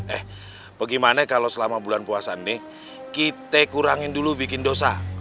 eh bagaimana kalau selama bulan puasa nih kita kurangin dulu bikin dosa